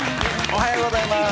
おはようございます。